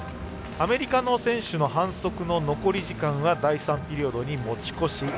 アメリカの選手の反則の残り時間は第３ピリオドに持ち越し。